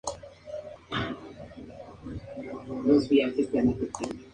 Es el quinto álbum de estudio de Leningrad.